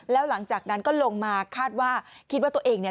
แล้วหลังจากนั้นก็ลงมาคาดว่าคิดว่าตัวเองเนี่ย